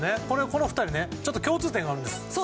この２人、共通点があるんです。